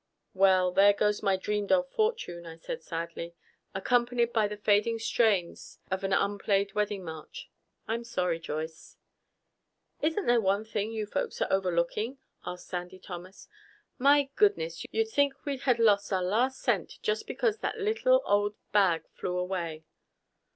"Well, there goes my dreamed of fortune," I said sadly. "Accompanied by the fading strains of an unplayed wedding march. I'm sorry, Joyce." "Isn't there one thing you folks are overlooking?" asked Sandy Thomas. "My goodness, you'd think we had lost our last cent just because that little old bag flew away!"